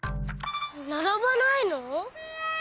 ならばないの？